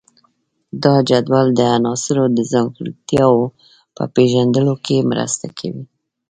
دا جدول د عناصرو د ځانګړتیاوو په پیژندلو کې مرسته کوي.